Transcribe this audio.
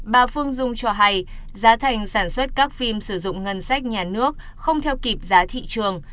bà phương dung cho hay giá thành sản xuất các phim sử dụng ngân sách nhà nước không theo kịp giá thị trường